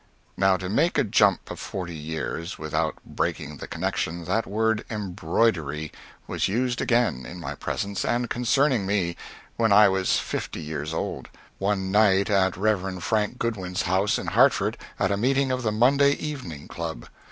Now to make a jump of forty years, without breaking the connection: that word "embroidery" was used again in my presence and concerning me, when I was fifty years old, one night at Rev. Frank Goodwin's house in Hartford, at a meeting of the Monday Evening Club.